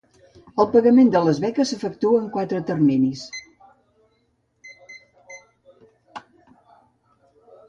El pagament de les beques s'efectua en quatre terminis.